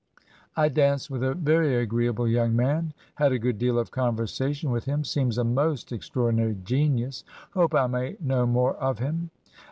' I danced with a very agree able young man, had a good deal of conversation with him, seems a most extraordinary genius; hope I may know more of him.